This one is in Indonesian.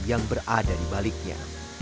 yang berada di baliknya